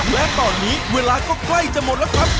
และตอนนี้เวลาก็ใกล้จะหมดแล้วครับ